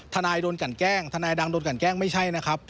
ทนายโดนกันแกล้งทนายดังโดนกันแกล้งไม่ใช่นะครับ